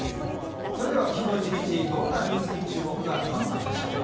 昨日一日、どんなニュースに注目が集まったのでしょうか。